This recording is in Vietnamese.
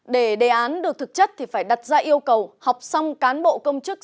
để đề án được thực chất thì phải đặt ra yêu cầu học xong cán bộ công chức